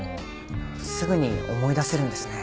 すぐに思い出せるんですね。